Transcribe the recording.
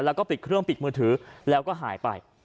แล้วก็ปิดเครื่องปิดมือถือแล้วก็หายไป